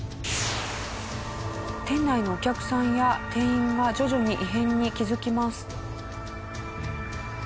店内のお客さんや店員が徐々に異変に気づきます。